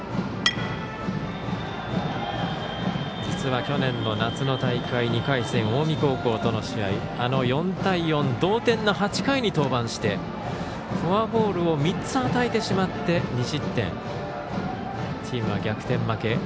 実は、去年の夏の大会２回戦近江高校との試合４対４、同点の８回に登板してフォアボールを３つ与えてしまって２失点、チームは逆転負け。